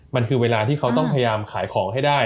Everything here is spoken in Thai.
มันคือเวลาที่เขาต้องพยายามขายของให้ได้